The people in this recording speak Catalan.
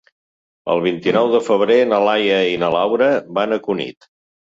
El vint-i-nou de febrer na Laia i na Laura van a Cunit.